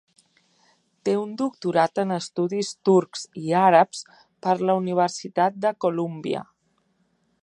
Té un doctorat en estudis turcs i àrabs per la Universitat de Columbia.